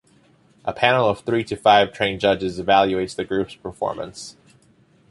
A panel of three to five trained judges evaluates the group's performance.